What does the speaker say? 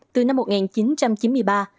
từ năm một nghìn chín trăm chín mươi ba